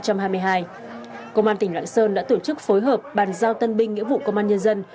công an tỉnh lạng sơn đã tổ chức phối hợp bàn giao tân binh nghĩa vụ công an nhân dân